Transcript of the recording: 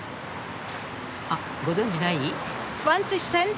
あっご存じない？